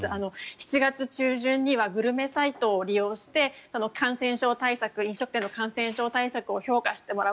７月中旬にはグルメサイトを利用して飲食店の感染症対策を評価してもらう。